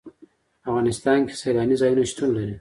په افغانستان کې سیلانی ځایونه شتون لري.